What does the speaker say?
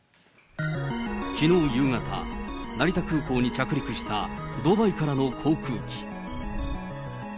きのう夕方、成田空港に着陸したドバイからの航空機。